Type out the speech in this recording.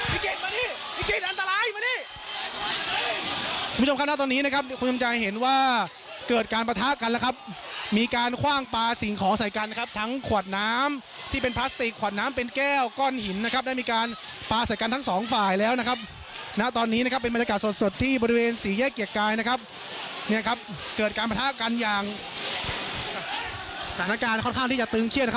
พี่กิฟต์พี่กิฟต์พี่กิฟต์พี่กิฟต์พี่กิฟต์พี่กิฟต์พี่กิฟต์พี่กิฟต์พี่กิฟต์พี่กิฟต์พี่กิฟต์พี่กิฟต์พี่กิฟต์พี่กิฟต์พี่กิฟต์พี่กิฟต์พี่กิฟต์พี่กิฟต์พี่กิฟต์พี่กิฟต์พี่กิฟต์พี่กิฟต์พี่กิฟต์พี่กิฟต์พี่กิฟต